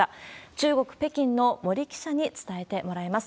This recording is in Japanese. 中国・北京の森記者に伝えてもらいます。